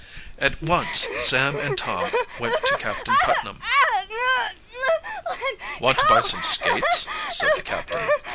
At once Sam and Tom went to Captain Putnam. "Want to buy some skates?" said the captain.